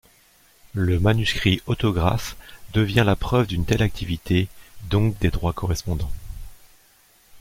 Le manuscrit autographe devient la preuve d'une telle activité, donc des droits correspondants.